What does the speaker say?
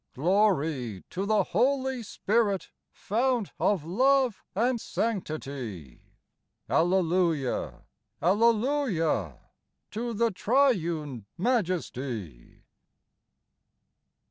Glory to the Holy Spirit, Fount of love and sanctity. Alleluia ! Alleluia ! To the Triune Majesty